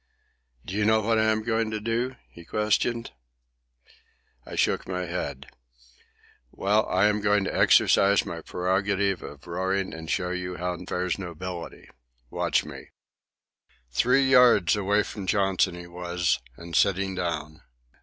"Do you know what I am going to do?" he questioned. I shook my head. "Well, I am going to exercise my prerogative of roaring and show you how fares nobility. Watch me." Three yards away from Johnson he was, and sitting down.